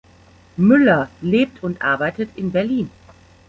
Müller lebt und arbeitet in Berlin.